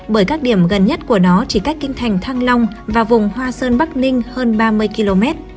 bởi các điểm gần nhất của nó chỉ cách kinh thành thăng long và vùng hoa sơn bắc ninh hơn ba mươi km